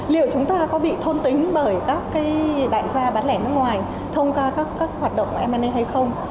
liệu chúng ta có bị thôn tính bởi các đại gia bán lẻ nước ngoài thông qua các hoạt động mv hay không